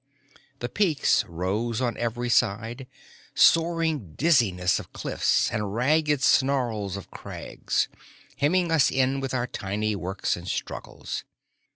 The peaks rose on every side, soaring dizziness of cliffs and ragged snarl of crags, hemming us in with our tiny works and struggles.